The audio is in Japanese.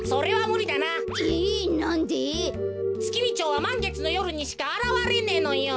はまんげつのよるにしかあらわれねえのよ。